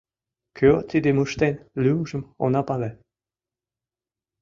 Кӧ тидым ыштен, лӱмжым она пале.